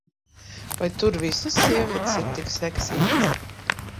Vai tur visas sievietes ir tik seksīgas?